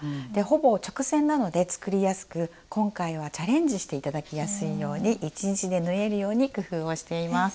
ほぼ直線なので作りやすく今回はチャレンジして頂きやすいように１日で縫えるように工夫をしています。